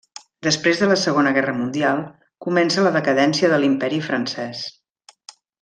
Després de la Segona Guerra Mundial, comença la decadència de l'imperi francès.